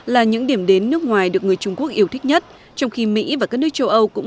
là những điểm đến nước ngoài được người trung quốc yêu thích nhất trong khi mỹ và các nước châu âu cũng